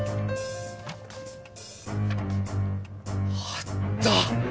あった！